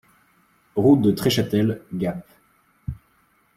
Route de Treschâtel, Gap